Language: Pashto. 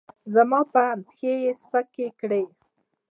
زما په اند، پښې یې سپکې کړې.